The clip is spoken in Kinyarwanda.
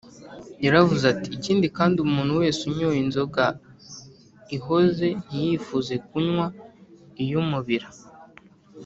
yaravuze ati, “ikindi kandi umuntu wese unyoye inzoga ihoze ntiyifuza kunywa iy’umubira